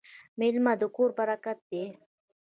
میلمه د کور برکت دی.